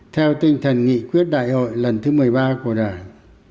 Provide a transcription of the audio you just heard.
theo tinh thần nghị quyết đại hội lần thứ một mươi ba của đảng